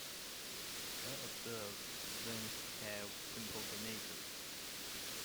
When observed, wings have simple venation.